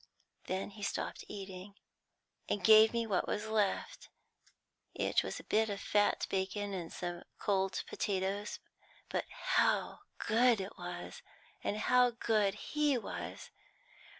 Then he stopped eating and gave me what was left; it was a bit of fat bacon and some cold potatoes; but how good it was, and how good he was!